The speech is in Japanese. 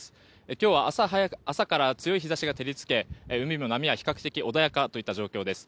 今日は朝から強い日差しが照りつけ海も波は比較的穏やかといった状況です。